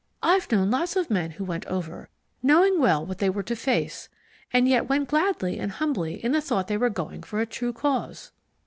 I've known lots of men who went over, knowing well what they were to face, and yet went gladly and humbly in the thought they were going for a true cause."